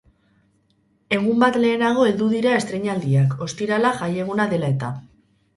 Egun bat lehenago heldu dira estreinaldiak, ostirala jaieguna dela eta.